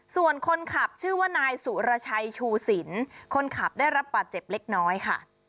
ส่วนคนขับชื่อว่านายสุรชัยชูสินคนขับได้รับบาดเจ็บเล็กน้อยค่ะ